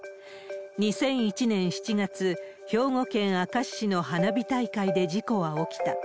２００１年７月、兵庫県明石市の花火大会で事故は起きた。